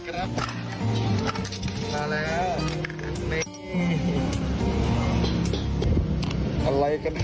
คุณเคยเล่นไหม